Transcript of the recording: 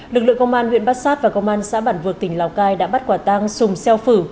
lực lượng công an huyện bát sát và công an xã bản vược tỉnh lào cai đã bắt quả tang sùng xeo phử